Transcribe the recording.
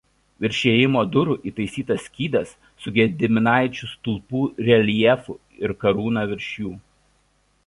Virš įėjimo durų įtaisytas skydas su Gediminaičių stulpų reljefu ir karūna virš jų.